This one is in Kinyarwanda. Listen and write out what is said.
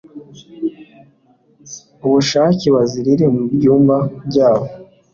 ubushake bazirire mu byumba byabo